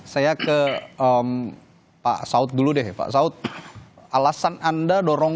saya ke pak saud dulu deh pak saud